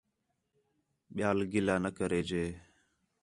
ٻِیال گِلہ نہ کرے جے